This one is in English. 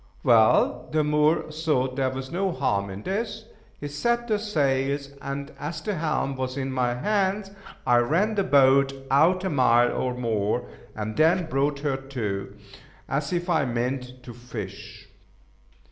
Well, the Moor thought there was no harm in this. He set the sails, and, as the helm was in my hands, I ran the boat out a mile or more, and then brought her to, as if I meant to fish.